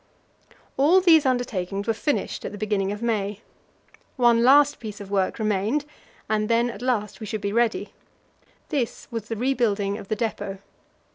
All these undertakings were finished at the beginning of May. One last piece of work remained, and then at last we should be ready. This was the rebuilding of the depot.